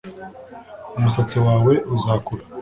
Umusatsi wawe uzakura